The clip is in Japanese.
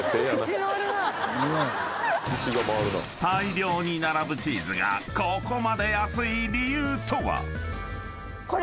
［大量に並ぶチーズがここまで安い理由とは⁉］